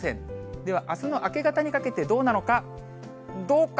では、あすの明け方にかけてどうなのか、どうか。